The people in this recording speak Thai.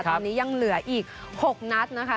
ตอนนี้ยังเหลืออีก๖นัดนะคะ